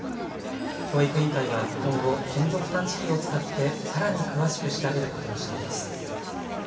教育委員会は今後、金属探知機を使ってさらに詳しく調べることにしています。